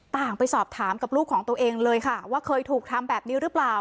ไปสอบถามกับลูกของตัวเองเลยค่ะว่าเคยถูกทำแบบนี้หรือเปล่า